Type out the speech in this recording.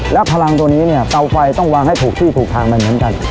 แล้วพลังตัวนี้เนี่ยเตาไฟต้องวางให้ถูกที่ถูกทางไปเหมือนกัน